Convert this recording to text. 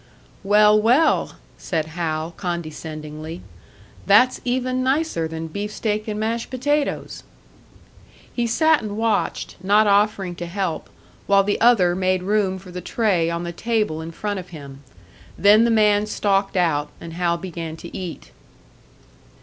"Well, well!" said Hal, condescendingly. "That's even nicer than beefsteak and mashed potatoes!" He sat and watched, not offering to help, while the other made room for the tray on the table in front of him. Then the man stalked out, and Hal began to eat.